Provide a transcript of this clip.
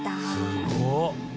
すごっ！